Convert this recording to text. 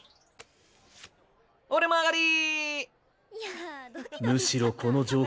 俺も上がり！